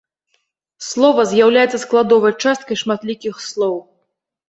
Слова з'яўляецца складовай часткай шматлікіх слоў.